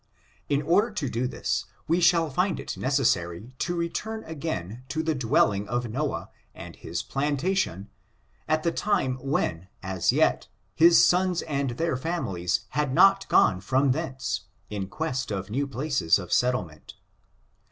In order to do this, we shall find it ' I I necessary to return again to the dwelling of Noah, and his plantation, at the time when, as yet, his sons and their families had not gone from thence, in quest of new places of settlement.